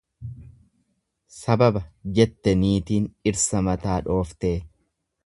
"""Sababa"" jette niitiin dhirsa mataa dhooftee."